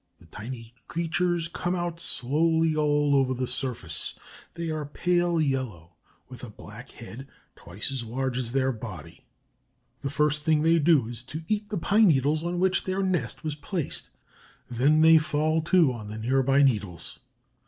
The tiny creatures come out slowly all over the surface. They are pale yellow, with a black head twice as large as their body. The first thing they do is to eat the pine needles on which their nest was placed; then they fall to on the near by needles.